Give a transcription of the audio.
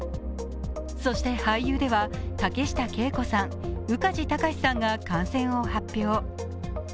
そして俳優では、竹下景子さん、宇梶剛士さんが感染を発表。